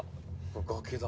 崖だ。